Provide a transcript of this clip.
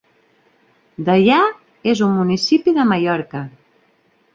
Deià és un municipi de Mallorca.